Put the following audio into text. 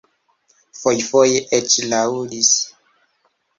Fojfoje eĉ laŭdis.